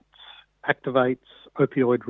ini mengaktifkan resept opioid